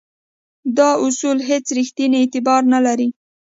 دا اصول هیڅ ریښتینی اعتبار نه لري.